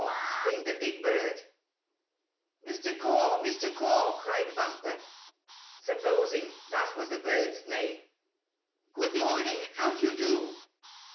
screamed the big bird. "Mr. Caw! Mr. Caw!" cried Bumper, supposing that was the bird's name. "Good morning! How do you do?"